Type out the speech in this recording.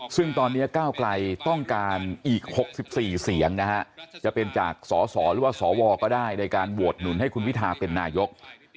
ซึ่งตอนนี้ก้าวไกลต้องการอีก๖๔เสียงนะฮะจะเป็นจากสสหรือว่าสวก็ได้ในการโหวตหนุนให้คุณวิทาเป็นนายก